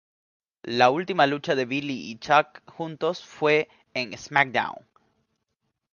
La última lucha de Billy y Chuck juntos fue en "SmackDown!